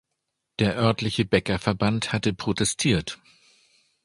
Der örtliche Bäckerverband hatte protestiert.